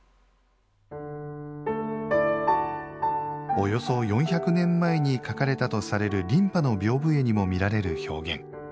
およそ４００年前に描かれたとされる琳派の屏風絵にも見られる表現。